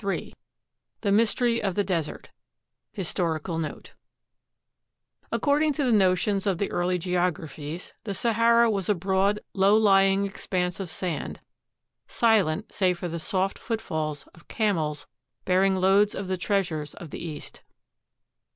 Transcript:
Ill THE MYSTERY OF THE DESERT HISTORICAL NOTE According to the notions of the early geographies, the Sahara was a broad, low lying expanse of sand, silent save for the soft footfalls of camels bearing loads of the treasvires of the East.